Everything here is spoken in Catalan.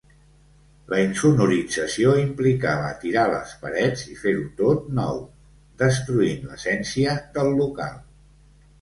La insonorització implicava tirar les parets i fer-ho tot nou, destruint l'essència del local.